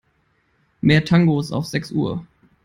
Mehr Tangos auf sechs Uhr.